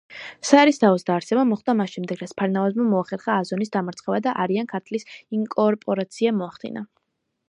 საერისთავოს დაარსება მოხდა მას შემდეგ რაც ფარნავაზმა მოახერხა აზონის დამარცხება და არიან-ქართლის ინკორპორაცია მოახდინა.